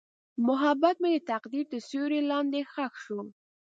محبت مې د تقدیر تر سیوري لاندې ښخ شو.